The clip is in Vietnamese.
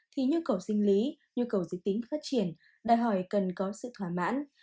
thì nhu cầu sinh lý nhu cầu di tính phát triển đòi hỏi cần có sự thoả mãn